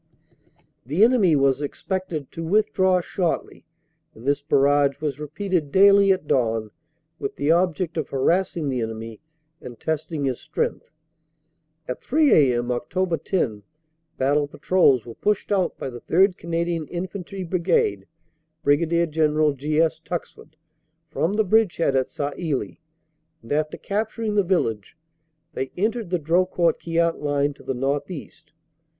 The enemy was expected to withdraw shortly, and this barrage was repeated daily at dawn with the object of harass ing the enemy and testing his strength. At 3 a.m., Oct. 10, battle patrols were pushed out by the 3rd. Canadian Infantry Brigade (Brig. General G. S. Tuxford) from the bridge head at Sailly, and after capturing the village they entered the Drocourt Queant line to the northeast.